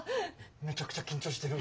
めちゃくちゃ緊張してる。